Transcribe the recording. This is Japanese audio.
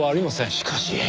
しかし。